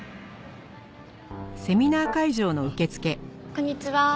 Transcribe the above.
こんにちは。